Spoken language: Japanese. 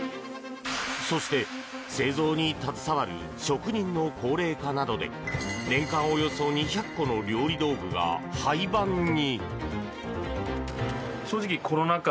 そして、製造に携わる職人の高齢化などで年間およそ２００個の料理道具が廃盤に。